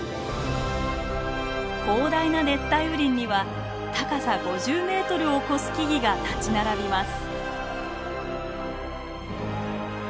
広大な熱帯雨林には高さ５０メートルを超す木々が立ち並びます。